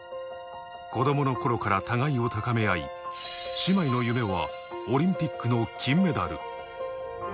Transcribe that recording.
子供の頃から互いを高め合い、姉妹の夢はオリンピックの金メダル。